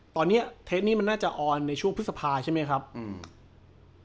ตอนเนี้ยเทสนี้มันน่าจะออนในช่วงพฤษภาใช่ไหมครับอืม